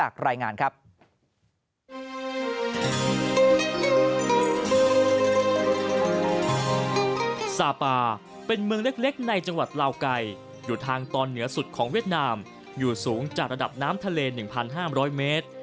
ของเวียดนามอยู่สูงจากระดับน้ำทะเล๑๕๐๐เมตร